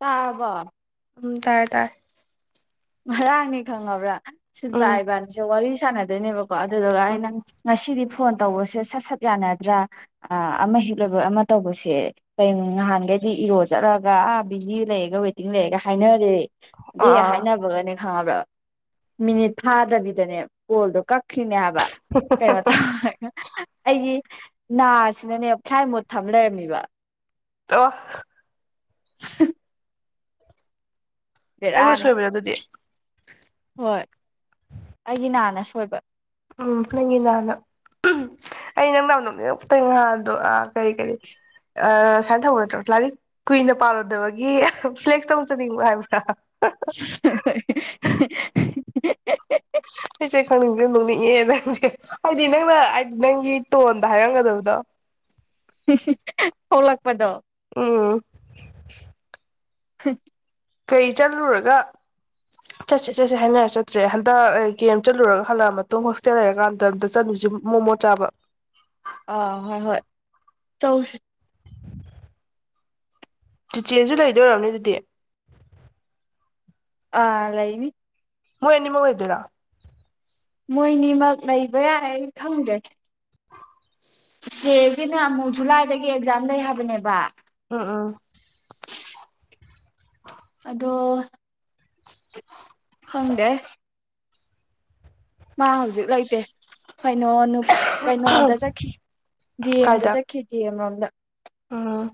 ꯇꯥꯕ ꯎꯝ ꯇꯔꯦ ꯇꯔ ꯉꯅꯤ ꯈꯪꯉꯕ꯭ꯔꯥ ꯁꯤ ꯎꯝ ꯄꯥꯏꯕꯅꯤ ꯆ ꯋꯥꯔꯤ ꯆꯥꯟꯅ ꯑꯗꯨꯅꯦꯕ ꯀ ꯑꯗꯨꯗꯨꯒ ꯑꯩꯅ ꯎꯝ ꯉꯁꯤꯗꯤ ꯐꯣꯟ ꯇꯧꯕꯁꯦ ꯁꯠ ꯁꯠ ꯌꯥꯅꯗ꯭ꯔꯥ ꯑꯃ ꯍꯤꯛꯂꯕ ꯑꯃ ꯇꯧꯕꯁꯦ ꯀ ꯅꯍꯥꯟꯒꯩꯗꯤ ꯏꯔꯣ ꯆꯠꯂꯒ ꯑꯥ ꯕꯤꯖꯤ ꯂꯩꯔꯒ ꯋꯦꯇꯤꯡ ꯂꯩꯔꯒ ꯍꯥꯏꯅꯔꯦ ꯑꯗꯨ ꯑꯥ ꯑꯥ ꯍꯥꯏꯅꯕ ꯈꯉꯕ꯭ꯔ ꯃꯤꯅꯤꯠ ꯊꯥꯗꯕꯤꯗꯅꯦ ꯄꯣꯜꯗꯣ ꯀꯛꯈꯅꯦ ꯍꯥꯏꯕ ꯀꯩꯅꯣ ꯇ ꯑꯩꯒꯤ ꯅꯥꯁꯤꯅꯅꯦ ꯐ꯭ꯂꯥꯏ ꯃꯣꯠ ꯊꯝ ꯂꯩꯔꯝꯃꯤꯕ ꯑ ꯍ ꯅꯪꯅ ꯁꯣꯏꯕ ꯌꯥ ꯑꯗꯨꯗꯤ ꯍꯣꯏ ꯑꯩꯒꯤ ꯅꯥꯅ ꯁꯣꯏꯕ ꯎꯝ ꯅꯪꯒꯤꯅꯥꯅ ꯑꯩ ꯅꯪ ꯅ ꯅꯣꯛꯅꯦꯛꯇ ꯉꯍꯥꯗꯣ ꯀꯔꯤ ꯀꯔꯤ ꯁꯨꯃꯥꯏꯅ ꯊꯧꯕ ꯅꯠꯇ꯭ꯔꯣ ꯂꯥꯏꯔꯤꯛ ꯀꯨꯏꯅ ꯄꯥꯜꯂꯨꯗꯕꯒꯤ ꯐ꯭ꯂꯦꯛꯁꯇ ꯑꯃꯨꯛ ꯆꯠꯅꯤꯡꯕ ꯍꯥꯏꯕ꯭ꯔꯥ [unintelligible] ꯍ ꯪ ꯅꯅꯤꯡꯉꯦ ꯅꯪꯁꯦ ꯍꯥꯏꯗꯤ ꯅꯪꯅ ꯅꯪꯒꯤ ꯇꯣꯟꯗ ꯍꯥꯏꯔꯝꯒꯗꯕꯗꯣ ꯊꯣꯛꯣꯂꯛꯄꯗꯣ ꯎꯝ ꯍ ꯀꯩ ꯆꯠꯂꯨꯔꯒ ꯆꯠꯁ ꯆꯠꯁ ꯍꯥꯏꯅꯔ ꯆꯠꯇ꯭ꯔꯦ ꯍꯟꯗꯛ ꯀ ꯆꯠꯂꯨꯔꯒ ꯍꯜꯂꯛꯑ ꯃꯇꯨꯡ ꯍꯣꯁꯇꯦꯜ ꯂꯩꯔꯀꯥꯟꯗ ꯑꯝꯇ ꯆꯠꯂꯨꯁꯤꯦ ꯃꯣꯃꯣ ꯆꯥꯕ ꯑ ꯍꯣꯏ ꯍꯣꯏ ꯆꯧꯁ ꯆꯤꯆꯦꯁꯨ ꯂꯩꯗꯣꯏ ꯑꯣꯏꯔꯝꯅꯤ ꯑꯗꯨꯗꯤ ꯑꯥ ꯂꯩꯥꯅꯤ ꯃꯣꯏ ꯑꯅꯤꯃꯛ ꯂꯩꯗꯣꯏꯔꯣ ꯃꯣꯏꯅꯤꯃꯛ ꯂꯩꯕ ꯌꯥꯏ ꯈꯪꯗꯦ ꯆꯦꯒꯤꯅ ꯑꯃꯨꯛ ꯖꯨꯂꯥꯏꯗꯒꯤ ꯑꯦꯛꯖꯥꯝ ꯂꯩ ꯍꯥꯏꯕꯅꯦꯕ ꯎꯝ ꯎꯝ ꯑꯗꯣ ꯈꯪꯗꯦ ꯃꯥ ꯍꯧꯖꯤꯛ ꯂꯩꯇꯦ ꯀꯩꯅꯣ ꯀꯩꯅꯣꯗ ꯆꯠꯈꯤ ꯗꯤ ꯑꯦꯝꯗ ꯆꯠꯈꯤ ꯗꯤ ꯑꯦꯝ ꯂꯣꯝꯗ ꯑꯥ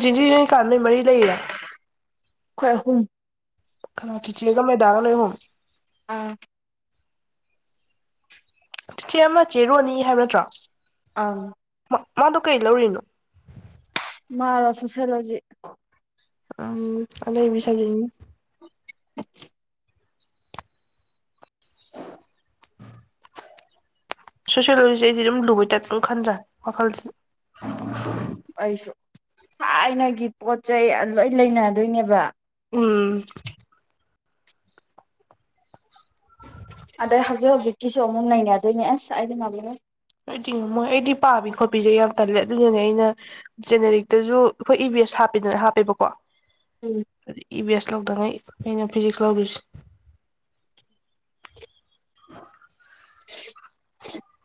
ꯖꯤꯗꯤ ꯅꯣꯏ ꯀꯥ ꯅꯣꯏ ꯃꯔꯤ ꯂꯩꯔꯣ ꯈꯣꯏ ꯑꯍꯨꯝ ꯆꯤꯆꯦꯒ ꯃꯦꯗꯥꯒ ꯅꯣꯏ ꯑꯍꯨꯝ ꯑꯥ ꯆꯤꯆꯦ ꯑꯃꯅ ꯆꯦ ꯔꯣꯅꯤ ꯍꯥꯏꯕ ꯅꯠꯇ꯭ꯔꯣ ꯑꯪ ꯃꯗꯨ ꯀꯩ ꯂꯧꯔꯤꯅꯣ ꯃꯥꯔꯣ ꯁꯣꯁꯦꯂꯣꯖꯤ ꯎꯝ ꯑꯅꯩꯕꯤ ꯁꯕꯖꯦꯛꯅꯤꯅꯦ [unintelligible] ꯁꯣꯁꯤꯌꯣꯂꯣꯖꯤ ꯑꯩꯗꯤ ꯑꯗꯨꯝ ꯂꯨꯕꯩ ꯇꯥꯏꯞ ꯈꯟꯖꯥꯅꯤ ꯋꯥꯈꯜꯁꯤ ꯑꯩꯁꯨ ꯊꯥꯏꯅꯒꯤ ꯄꯣꯠ ꯆꯩ ꯂꯣꯏ ꯂꯩꯅꯗꯣꯏꯅꯦꯕ ꯎꯝ ꯑꯗꯩ ꯍꯧꯖꯤꯛ ꯍꯧꯖꯤꯛꯀꯤꯁꯨ ꯑꯃꯨꯛ ꯅꯩꯅꯗꯣꯏꯅꯦ ꯑꯁ ꯑꯗꯤ ꯉꯝꯃꯣꯏ ꯑꯩꯗꯤ ꯃꯣꯏ ꯑꯩꯗꯤ ꯄꯥꯕꯤ ꯈꯣꯠꯄꯤꯁꯦ ꯌꯥꯝ ꯇꯜꯂꯦ ꯑꯗꯨꯗꯨꯅꯦ ꯑꯩꯅ ꯖꯦꯅꯦꯔꯤꯛꯇꯁꯨ ꯑꯩꯈꯣꯏ ꯏ ꯕꯤ ꯑꯦꯁ ꯍꯥꯞꯄꯦꯗꯅ ꯍꯥꯞꯄꯦꯕꯀꯣ ꯎꯝ ꯏꯕꯤ ꯑꯦꯁ ꯂꯧꯗ ꯐꯤꯖꯁ ꯂꯧꯁꯤ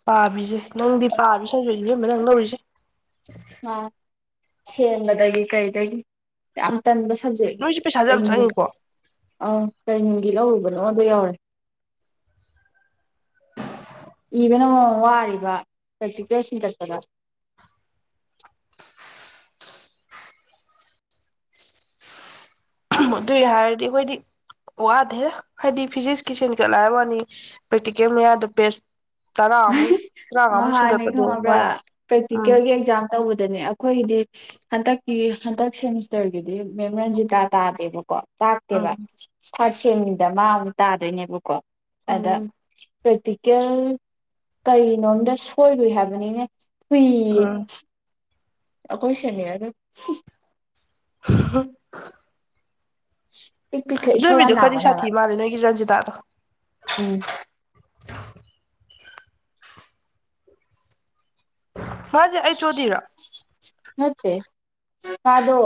ꯄꯥꯕꯤꯁꯦ ꯅꯪꯗꯤ ꯄꯥꯕꯤ ꯁꯕꯖꯦꯛꯅꯤ ꯏꯕꯦꯝꯃ ꯅꯪ ꯂꯧꯔꯤꯁꯦ [unintelligible] ꯁꯦꯝꯕꯗꯒꯤ ꯀꯩꯗꯒꯤ ꯌꯥꯝ ꯇꯟꯕ ꯁꯕ ꯁꯟꯖꯦꯛ ꯅꯣꯏꯁꯨ ꯄꯩꯁꯥꯁꯨ ꯌꯥꯝ ꯀꯩꯅꯣ ꯆꯪꯉꯤꯀꯣ ꯑꯥ ꯀꯩꯅꯨꯡꯒꯤ ꯂꯧꯔꯨꯕꯗꯣ ꯀꯣꯗꯣ ꯌꯧꯔꯦ ꯏꯕꯅ ꯃꯔꯣꯝ ꯋꯥꯔꯤꯕ ꯄ꯭ꯔꯦꯛꯇꯤꯀꯦꯜ ꯁꯤꯟꯀꯠꯄꯗ ꯑꯗꯨꯏ ꯍꯥꯏꯔꯗꯤ ꯑꯩꯈꯣꯏꯗꯤ ꯋꯥꯗꯦ ꯍꯥꯏꯗꯤ ꯐꯤꯖꯤꯛꯁꯀꯤ ꯁꯥꯟꯀꯠꯂꯦ ꯍꯥꯏꯕ ꯋꯥꯅꯤ ꯄ꯭ꯔꯦꯛꯇꯤꯀꯦꯜ ꯃꯌꯥꯗ ꯄꯦꯁ ꯇꯔꯥꯃꯨꯛ ꯇꯔꯥꯃꯉꯥꯃꯨꯛ ꯅꯍꯥꯟꯅꯦ ꯁꯤꯡꯒꯠꯄꯗꯣ ꯈꯪꯉꯕ꯭ꯔꯥ ꯃꯉꯥꯏꯔꯦ ꯎꯝ ꯄ꯭ꯔꯦꯛꯇꯤꯀꯦꯜꯒꯤ ꯑꯦꯛꯖꯥꯝ ꯇꯧꯕꯗ ꯑꯗꯨꯗꯅꯦ ꯑꯩꯈꯣꯏꯒꯤꯗꯤ ꯍꯟꯗꯛꯀꯤ ꯍꯟꯗꯛ ꯁꯦꯃꯤꯁꯇꯔꯒꯤꯗꯤ ꯃꯦꯝ ꯔꯟꯖꯤꯇꯥ ꯇꯥꯗꯦꯕꯀꯣ ꯊꯥꯛꯇꯦꯕ ꯎꯝ ꯊ꯭ꯔꯥꯠ ꯁꯦꯝꯒꯤꯗ ꯃꯥ ꯑꯃꯨꯛ ꯇꯥꯗꯣꯏꯅꯦꯕꯀꯣ ꯑꯗ ꯎꯝ ꯄ꯭ꯔꯦꯛꯇꯤꯀꯦꯜ ꯀꯩ ꯀꯩꯅꯣꯝꯗ ꯁꯣꯏꯔꯨꯏ ꯍꯥꯏꯕꯅꯤꯅꯦ ꯐꯨꯏ ꯑꯌꯦ ꯎꯝ ꯑꯈꯣꯏ ꯁꯦꯅꯤꯌꯥꯔ ꯗꯣ [inaudible] ꯄꯤꯛ ꯄꯤꯛꯈꯩ ꯏꯁꯧ ꯌꯥꯝ ꯑꯗꯨꯃꯤꯗꯣ ꯈꯔꯗꯤ ꯂꯥꯡꯕꯅꯦ ꯍꯥꯏꯕ ꯁꯥꯊꯤ ꯃꯥꯜꯂꯦ ꯅꯣꯏꯒꯤ ꯔꯟꯖꯤꯇꯥꯗꯣ ꯑ ꯎꯝ ꯃꯥꯁꯦ ꯑꯩꯅ ꯑꯣ ꯗꯤꯔꯣ ꯅꯠꯇꯦ ꯃꯥꯗꯣ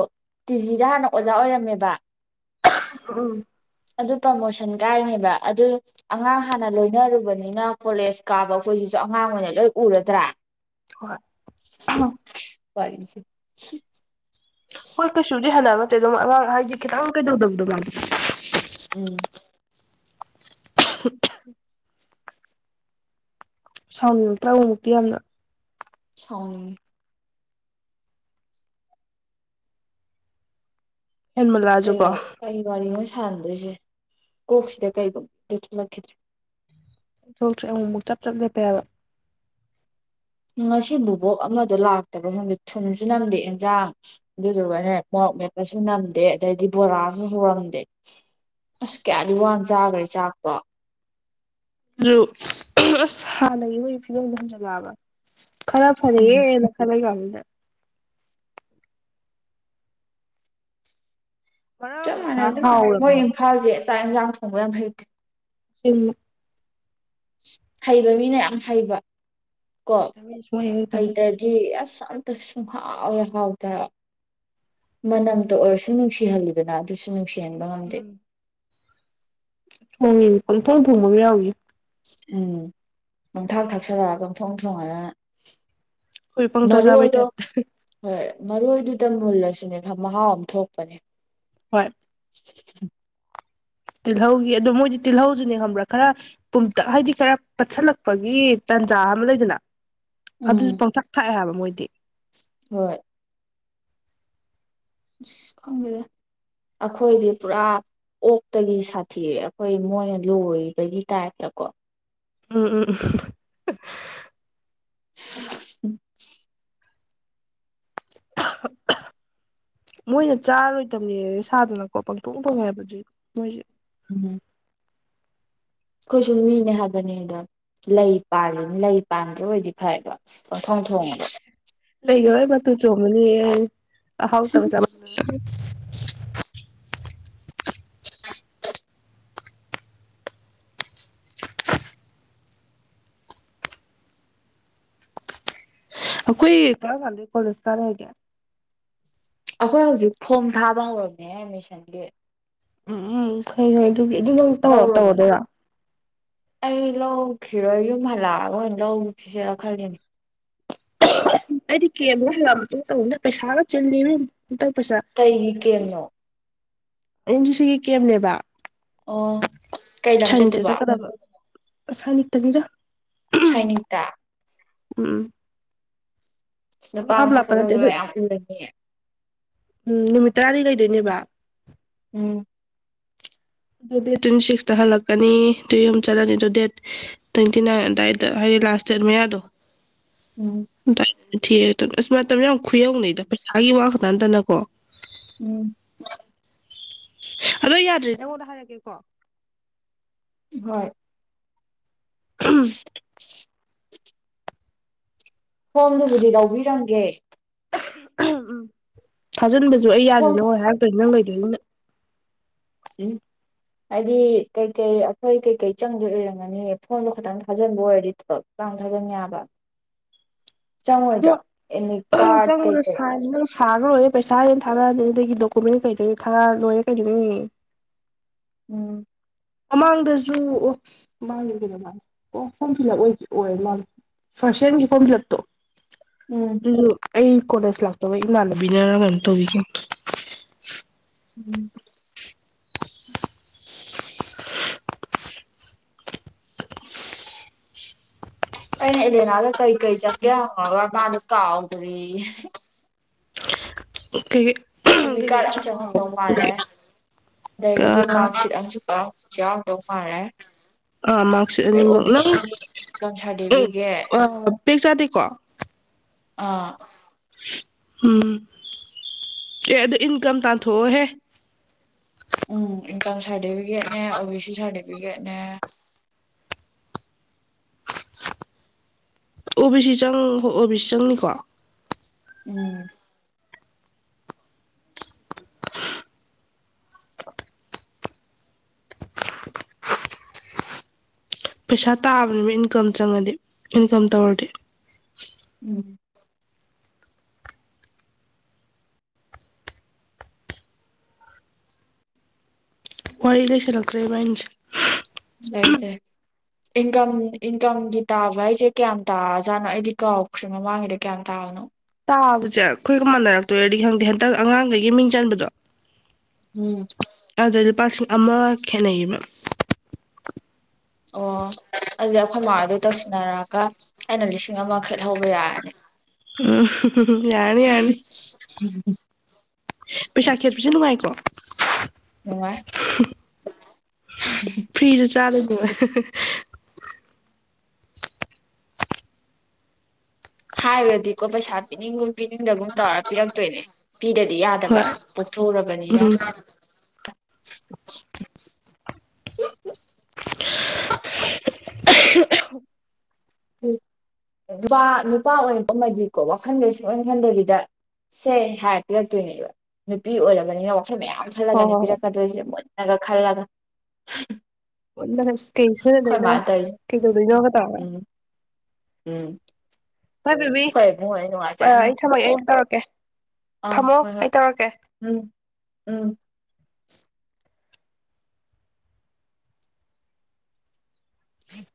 ꯇꯤꯖꯤꯗ ꯍꯥꯟꯅ ꯑꯣꯖꯥ ꯑꯣꯏꯔꯝꯃꯦꯕ ꯎꯝ ꯑꯗꯨ ꯄ꯭ꯔꯃꯣꯁꯟ ꯀꯥꯏꯅꯦꯕ ꯑꯗꯨ ꯑꯉꯥꯡ ꯍꯥꯟꯅ ꯂꯣꯏꯅꯔꯨꯕꯅꯤꯅ ꯀꯣꯂꯦꯖ ꯀꯥꯕ ꯑꯩꯈꯣꯏꯁꯤꯁꯨ ꯑꯉꯥꯡ ꯑꯣꯏꯅ ꯂꯣꯏ ꯎꯔꯗ꯭ꯔꯥ ꯍꯣꯏ ꯄꯁꯤ ꯍꯣꯏ ꯀꯁꯨꯗꯤ ꯍꯥꯜꯂꯔꯣꯏ ꯍꯥꯏꯁꯦ ꯈꯤꯇꯪ ꯀꯩꯗꯧꯗꯕꯗꯣ ꯃꯥꯒꯤ ꯎꯝ [inaudible] ꯁꯥꯎꯟ ꯍꯟꯇꯛꯃꯨꯛꯇꯤ ꯌꯥꯝꯅ ꯁꯥꯎꯟ ꯀꯩ ꯍꯦꯟꯃꯜꯂꯛꯑꯁꯨꯀꯣ ꯀꯩ ꯋꯥꯔꯤꯅꯣ ꯁꯥꯟꯅꯗꯣꯏꯁꯦ ꯀꯣꯛꯁꯤꯗ ꯀꯔꯤꯒꯨꯝ ꯂꯁꯤꯂꯛꯈꯤꯗ꯭ꯔꯦ ꯊꯣꯛꯇ꯭ꯔ ꯑꯃꯨꯛ ꯑꯃꯨꯛ ꯆꯞ ꯆꯞ ꯂꯦꯞꯄꯦꯕ ꯉꯁꯤ ꯕꯣꯕꯣꯛ ꯑꯃꯗꯣ ꯂꯥꯛꯇꯦ ꯈꯪꯗꯦ ꯊꯨꯝꯁꯨ ꯅꯝꯗꯦ ꯑꯦꯟꯖꯥꯡ ꯑꯗꯨꯗꯨꯒꯅꯦ ꯃꯣꯔꯣꯛ ꯃꯦꯠꯄꯁꯨ ꯅꯝꯗꯦ ꯑꯗꯩꯗꯤ ꯕꯣꯔꯥꯁꯨ ꯍꯧꯔꯝꯗꯦ ꯑꯁ ꯀꯌꯥꯗꯤ ꯋꯥꯅ ꯑꯁ ꯆꯥꯈ꯭ꯔꯦ ꯆꯥꯛꯄꯣ ꯑꯗꯨ ꯑꯁ ꯍꯥꯟꯅꯒꯤ ꯃꯣꯏꯒꯤ ꯐꯤꯕꯣꯝꯗꯣ ꯍꯟꯖꯤꯜꯂꯛꯑꯕ ꯈꯔ ꯎꯝ ꯐꯔꯦꯅ ꯈꯔꯒ ꯑ ꯃꯔꯛ ꯆꯞ ꯑꯃꯗꯤ ꯈꯔ ꯃꯥꯟꯅꯩꯗꯣ ꯍꯥꯎꯔꯕꯅꯦ ꯃꯣꯏ ꯍꯥꯏꯕ ꯏꯝꯐꯥꯜꯁꯦ ꯆꯥꯛ ꯌꯦꯟꯁꯥꯡ ꯊꯣꯡꯕ ꯌꯥꯝ ꯍꯩꯇꯦ ꯌꯨꯝ ꯍꯩꯕ ꯃꯤꯅ ꯌꯥꯝ ꯍꯩꯕ ꯀꯣ ꯍꯩꯇꯕꯩꯅꯤ ꯁꯨꯡꯍꯩ ꯍꯩꯇꯕ ꯍꯩꯗ꯭ꯔꯗꯤ ꯑꯁ ꯌꯥꯝ ꯁꯨꯡꯍꯥꯎ ꯍꯦꯛ ꯍꯥꯎꯇꯦ ꯍꯥꯏꯕ ꯃꯅꯝꯇ ꯑꯣꯏꯔꯁꯨ ꯅꯨꯡꯁꯤꯍꯜꯂꯤꯗꯅ ꯑꯗꯨꯁꯨ ꯅꯨꯡꯁꯤ ꯅꯨꯡꯁꯤꯍꯟꯕ ꯉꯝꯗꯦ ꯍꯣꯡꯉꯦꯅꯦ ꯄꯡꯊꯣꯡ ꯊꯣꯡꯕ ꯑꯃ ꯌꯥꯎꯔꯤ ꯎꯝ ꯄꯪ ꯊꯥꯛ ꯊꯥꯛꯆꯜꯂ ꯄꯪ ꯊꯣꯡ ꯊꯣꯡꯉꯥ ꯑꯩꯈꯣꯏ ꯄꯪꯆꯥ ꯃꯔꯨ ꯆꯥꯕꯩ ꯑꯣꯏꯗꯣ ꯇꯥꯏꯞꯇ ꯍꯣꯏ ꯃꯔꯣꯏꯗꯨꯗꯤ ꯈꯤꯇ ꯃꯨꯜꯂꯁꯨꯅꯦ ꯃꯍꯥꯎ ꯑꯃ ꯊꯣꯛꯄꯅꯦ ꯍꯣꯏ ꯎ ꯇꯤꯜꯍꯧꯒꯤ ꯑꯗꯣ ꯃꯣꯏꯗꯤ ꯇꯤꯜꯍꯧꯁꯨꯅꯦ ꯈꯪꯕ꯭ꯔꯥ ꯈꯔ ꯄꯨꯝꯇꯛ ꯍꯥꯏꯗꯤ ꯈꯔ ꯄꯠꯁꯤꯜꯂꯛꯄꯒꯤ ꯇꯥꯟꯖꯥ ꯑꯃ ꯂꯩꯗꯅ ꯎꯝ ꯑꯗꯨꯁꯨ ꯄꯪꯊꯥꯛ ꯊꯥꯛꯑꯦ ꯍꯥꯏꯕ ꯃꯣꯏꯗꯤ ꯍꯣꯏ ꯑꯁ ꯈꯪꯗꯦ ꯑꯩꯈꯣꯏꯗꯤ ꯄꯨꯔꯥ ꯑꯣꯛꯇꯒꯤ ꯁꯥꯊꯤꯔꯦ ꯑꯩꯈꯣꯏ ꯃꯣꯏꯅ ꯂꯣꯏꯕꯒꯤ ꯇꯥꯏꯞꯇꯀꯣ ꯎꯝ ꯎꯝ [unintelligible] ꯃꯣꯏꯅ ꯆꯥꯔꯣꯏꯗꯕꯅꯦ ꯁꯥꯗꯅꯀꯣ ꯄꯪꯊꯣꯛ ꯄꯧ ꯍꯥꯏꯕꯗꯨ ꯃꯣꯏꯁꯦ ꯎꯝ ꯑꯩꯈꯣꯏꯁꯨ ꯃꯤꯅꯦ ꯍꯥꯏꯕꯅꯤ ꯑꯗ ꯂꯩ ꯄꯥꯜꯂꯤꯅ ꯂꯩ ꯄꯥꯟꯗ꯭ꯔꯥ ꯑꯣꯏꯗꯤ ꯐꯔꯕ ꯂꯩ ꯂꯩꯒ ꯇꯨ ꯆꯨꯝꯂꯤ ꯍꯥꯎ ꯇꯧꯕ ꯆꯥꯃꯜ ꯑꯩꯈꯣꯏ ꯀꯔꯝ ꯀꯥꯟꯗ ꯀꯣꯂꯦꯖ ꯀꯥꯔ ꯍꯥꯏꯒꯦ ꯑꯩꯈꯣꯏ ꯍꯧꯖꯤꯛ ꯐꯣꯝ ꯊꯥꯕ ꯍꯧꯔꯕꯝꯅꯦ ꯑꯦꯃꯤꯁꯤꯒꯤ ꯎꯝ ꯎꯝ ꯈꯣꯏ ꯍꯣꯏ ꯑꯗꯨꯒꯤ ꯑꯗꯨ ꯇꯧꯔꯣ ꯂꯧꯔꯕꯅ ꯇꯧꯔꯗꯣꯏꯔꯣ ꯑꯩ ꯂꯧꯈꯤꯔꯣꯏ ꯌꯨꯝ ꯍꯜꯂꯛꯑꯒ ꯂꯧ ꯂꯧꯁꯤꯔ ꯈꯜꯂꯤꯅꯦ ꯑꯩꯗꯤ ꯀꯦꯝ ꯍꯜꯂꯛ ꯄꯩꯁꯥꯅ ꯆꯤꯜꯂꯤ ꯍꯟꯗꯛ ꯄꯩꯁꯥ ꯀꯩꯒꯤ ꯀꯦꯝꯅꯣ ꯑꯟꯁꯤꯁꯤꯒꯤ ꯀꯦꯝꯅꯦꯕ ꯑꯣ ꯀꯩ ꯂꯝ ꯁꯥꯏꯅꯤꯛꯇ ꯆꯠꯇꯕ ꯆꯠꯀꯗꯕ ꯁꯥꯏꯅꯤꯛꯇꯅꯤꯗ ꯎꯝ ꯁꯥꯏꯅꯤꯇꯥ ꯎꯝ ꯄꯪꯂꯥꯞ ꯂꯥꯞꯄ ꯅꯠꯇꯦ ꯑꯗꯨ [unintelligible] ꯎꯝ ꯅꯨꯃꯤꯠ ꯇꯔꯥꯗꯤ ꯂꯩꯗꯣꯏꯅꯦꯕ ꯎꯝ ꯑꯗꯨ ꯗꯦꯠ ꯇ꯭ꯋꯦꯟꯇꯤ ꯁꯤꯛꯁꯇ ꯍꯜꯂꯛꯀꯅꯤ ꯑꯗꯨꯏ ꯑꯍꯨꯝ ꯆꯠꯂꯅꯤ ꯑꯗꯣ ꯗꯦꯠ ꯇ꯭ꯋꯦꯟꯇꯤ ꯅꯥꯏꯟ ꯑꯗꯨꯋꯥꯏꯗ ꯍꯥꯏꯗꯤ ꯂꯥꯁ ꯗꯦꯠ ꯃꯌꯥꯗꯣ ꯎꯝ [unintelligible] [unintelligible] ꯑꯃ ꯃꯇꯝ ꯌꯥꯝ ꯈꯨꯌꯧꯅꯩꯗꯩ ꯍꯥꯏꯒꯤ ꯋꯥꯥꯈꯛ ꯅꯥꯠꯇꯅꯀꯣ ꯎꯝ ꯑꯗꯣ ꯌꯥꯗ꯭ꯔꯦ ꯅꯪꯉꯣꯟꯗ ꯍꯥꯏꯔꯛꯀꯦꯀꯣ ꯍꯣꯏ [unintelligible] [unintelligible] ꯐꯣꯝꯗꯨꯕꯨꯗꯤ ꯂꯧꯕꯤꯔꯝꯒꯦ ꯎꯝ ꯊꯖꯟꯕ ꯑꯗꯨꯨ ꯑꯩ ꯐꯣꯝ ꯌꯥꯗꯔꯗꯤ ꯅꯥꯉꯣꯜ ꯍꯥꯏꯔꯛꯇꯅꯤ ꯅꯪꯒꯩ [unintelligible] ꯎꯝ ꯍꯥꯏꯗꯤ ꯀꯩꯀꯩ ꯑꯩꯈꯣꯏ ꯀꯩꯀꯩ ꯆꯪꯗꯣꯏ ꯑꯣꯏꯔꯝꯒꯅꯤ ꯐꯣꯟꯗꯣ ꯈꯇꯪ ꯊꯥꯖꯤꯟꯕ ꯑꯣꯏꯔꯗꯤ ꯊꯕꯞ ꯆꯥꯡ ꯊꯥꯖꯟꯦꯕ ꯑꯗꯣ ꯆꯪꯃꯣꯏꯗ꯭ꯔꯥ ꯑꯦꯅꯤ ꯀꯥꯔꯠ ꯀꯩꯀꯩ ꯊꯥꯔ ꯂꯣꯏꯔꯦ ꯄꯩꯁꯥ ꯍꯦꯟꯅ ꯊꯥꯔꯛꯑꯗꯤ ꯑꯗꯨꯗꯒꯤ ꯗꯣꯀꯨꯃꯦꯟ ꯀꯩꯗꯣꯏꯅꯤ ꯊꯥꯔꯛ ꯂꯣꯏꯔꯦ ꯀꯩꯗꯣꯏꯅꯤ ꯎꯝ ꯃꯃꯥꯡꯗꯁꯨ ꯑꯣ ꯃꯃꯥꯡꯗ ꯀꯩꯅꯣ ꯃꯥꯜꯂꯦ ꯑꯣ ꯐꯣꯔꯝ ꯐꯤꯜꯂꯞ ꯑꯣꯏꯈꯤ ꯑꯣꯏꯔ ꯃꯥꯜꯂꯦ ꯐꯥꯔꯁ ꯁꯦꯝꯒꯤ ꯐꯣꯔꯝ ꯐꯤꯜꯂꯞꯇꯣ ꯎꯝ ꯑꯩ ꯀꯣꯂꯦꯖ ꯂꯥꯛꯇꯕꯩ ꯏꯃꯥꯟꯂꯕꯤꯅꯦꯔ ꯀꯩꯅꯣꯝ ꯇꯧꯕꯤꯈꯤꯝꯅꯤ ꯎꯝ ꯑꯩꯅ ꯑꯦꯂꯦꯅꯥꯗ ꯀꯩꯀꯩ ꯆꯪꯒꯦ ꯍꯪꯉꯒ ꯃꯥꯗꯣ ꯀꯥꯎꯈ꯭ꯔꯦꯋꯦ [unintelligible] ꯑꯦꯗꯃꯤꯠ ꯀꯩꯀꯩ ꯀꯥꯔꯗ ꯑꯃ ꯑꯩꯁꯨ ꯆꯪꯉꯇꯧ ꯃꯥꯜꯂꯦ ꯑꯗꯒꯤꯗꯤ ꯀꯥꯎ ꯃꯥꯔꯛꯁꯤꯠ ꯑꯃꯁꯨ ꯌꯥꯎꯗꯧ ꯃꯥꯜꯂꯦ ꯑꯥ ꯃꯥꯔꯛꯁꯤꯠ ꯑꯗꯩ ꯑꯣ ꯑꯅꯤꯃꯛ ꯕꯤ ꯅꯪ ꯁꯤ ꯏꯟꯀꯝ ꯁꯥꯔꯇꯤꯐꯤꯀꯦꯠ ꯄꯦꯛ ꯆꯗꯦꯀꯣ ꯑꯥ ꯎꯝ ꯑꯦ ꯑꯗꯨ ꯏꯟꯀꯝ ꯇꯥꯟꯊꯣꯛꯑꯣꯍꯦ ꯎꯝ ꯏꯟꯀꯝꯁ ꯁꯥꯔꯇꯤꯕꯤꯒꯦꯅꯦ ꯑꯣꯕꯤ ꯁꯤ ꯁꯥꯔꯇꯤ ꯒꯅꯦ ꯑꯣ ꯕꯤ ꯁꯤ ꯆꯪ ꯍꯣꯏ ꯑꯣ ꯕꯤ ꯁꯤ ꯆꯪꯅꯤꯀꯣ ꯎꯝ ꯄꯩꯁꯥ ꯇꯥꯕꯅꯤꯕ ꯏꯟꯀꯝ ꯆꯪꯉꯗꯤ ꯏꯟꯀꯝ ꯇꯧꯔꯗꯤ ꯎꯝ ꯋꯥꯔꯤ ꯂꯩꯁꯜꯂꯛꯇꯔꯦ ꯏꯕꯥꯏꯅꯤꯁꯦ ꯂꯩ ꯂꯩ ꯏꯟꯀꯝ ꯏꯟꯀꯝꯒꯤ ꯇꯥꯕ ꯍꯥꯏꯁꯦ ꯀꯌꯥꯝ ꯇꯥꯖꯥꯠꯅꯣ ꯑꯩꯗꯤ ꯀꯥꯎꯈ꯭ꯔꯦ ꯃꯃꯥꯡꯉꯤꯗ ꯀꯌꯥꯝ ꯇꯥꯕꯅꯣ ꯆꯥꯕꯁꯦ ꯑꯩꯈꯣꯏꯒ ꯃꯥꯟꯅꯔꯛꯇꯣꯏꯔꯗꯤ ꯈꯪꯗꯦ ꯍꯟꯇꯛ ꯑꯉꯥꯡꯈꯩꯒꯤ ꯃꯤꯡ ꯆꯟꯕꯗꯣ ꯎꯝ ꯑꯗꯨꯗꯩ ꯂꯨꯄꯥ ꯂꯤꯁꯤꯡ ꯑꯃ ꯈꯦꯅꯩꯌꯦꯕ ꯑꯣ ꯑꯗꯨꯗꯤ ꯑꯩꯈꯣꯏ ꯃꯥꯗꯣ ꯇꯧꯁꯤꯟꯅꯔꯛꯑꯒ ꯑꯩꯅ ꯂꯤꯁꯤꯡ ꯑꯃꯈꯠꯍꯧꯕ ꯌꯥꯔꯅꯤ ꯎ ꯌꯥꯅꯤ ꯌꯥꯅꯤ ꯄꯩꯁꯥ ꯈꯠꯄꯁꯨ ꯅꯨꯡꯉꯥꯏꯀꯣ ꯎꯃ [unintelligible] ꯆꯂꯗ ꯍꯥꯏꯈ꯭ꯔꯗꯤꯀꯣ ꯄꯩꯁꯥ ꯄꯤꯅꯤꯡꯒꯨꯝ ꯄꯤꯅꯤꯡꯗꯒꯨꯝ ꯇꯧꯔ ꯄꯤꯔꯛꯇꯣꯏꯅꯦ ꯅꯨ ꯄꯄꯤꯗꯗꯤ ꯌꯥꯗꯕ ꯍꯣꯏ ꯄꯣꯛꯊꯣꯛꯎꯔꯕꯅꯤꯅ ꯎꯝ [unintelligible] [unintelligible] ꯎ ꯅꯨꯄꯥ ꯅꯨꯄꯥ ꯑꯣꯏꯔꯛꯄ ꯑꯃꯗꯤꯀꯣ ꯋꯥꯈꯜꯗ ꯁꯨꯡ ꯑꯣꯏꯟ ꯈꯟꯗꯕꯤꯗ ꯁꯦ ꯍꯥꯏꯔꯄꯤꯔꯛꯇꯣꯏꯅꯦꯕ ꯅꯨꯄꯤ ꯑꯣꯏꯔꯕꯅꯤꯅꯈ ꯁ ꯃꯌꯥꯝ ꯍꯣꯏ ꯁꯤꯜꯂꯒꯅꯦ ꯍꯣꯏ ꯄꯤꯔꯛꯀꯗꯣꯏꯁꯦ ꯃꯣꯏ ꯈꯔꯂꯒ ꯑꯣ ꯁꯇꯦꯁꯟ ꯏ ꯂꯩꯩꯅꯣ ꯀꯩꯗꯅꯣ ꯇꯥꯕ ꯎꯝ ꯎꯝ ꯍꯣꯏ ꯕꯦꯕꯤ ꯍꯣꯏ ꯏꯕꯨꯡꯉꯣ ꯅꯨꯡꯉꯥꯏꯖꯔꯝꯅꯤ ꯑꯩ ꯊꯃꯒꯦ ꯑꯩ ꯇꯧ ꯑꯦ ꯑꯥ ꯍꯣꯏ ꯍꯣꯏ ꯎꯝ ꯎꯝ ꯎꯝ